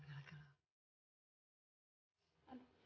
kok kamu gak tidur di kamar